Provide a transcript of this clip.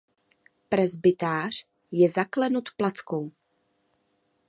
Presbytář je zaklenut plackou.